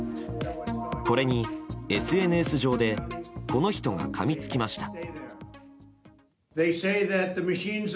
これに、ＳＮＳ上でこの人がかみつきました。